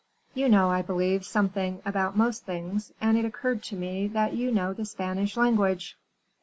"You know, I believe, something about most things, and it occurred to me that you know the Spanish language."